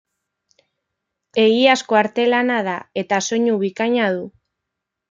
Egiazko artelana da, eta soinu bikaina du.